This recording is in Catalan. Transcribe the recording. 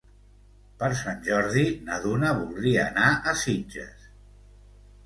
Per Sant Jordi na Duna voldria anar a Sitges.